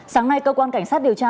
sáng nay cơ quan cảnh sát điều tra